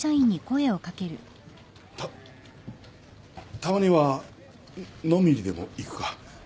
たたまには飲みにでも行くか？